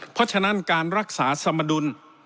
เพราะฉะนั้นการรักษาสมดุล